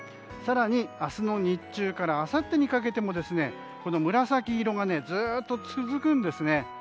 更に明日の日中からあさってにかけても紫色がずっと続くんですね。